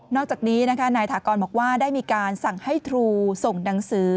อกจากนี้นะคะนายถากรบอกว่าได้มีการสั่งให้ครูส่งหนังสือ